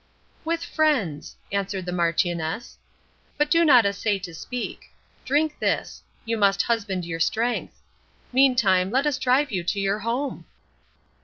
"With friends!" answered the Marchioness. "But do not essay to speak. Drink this. You must husband your strength. Meantime, let us drive you to your home."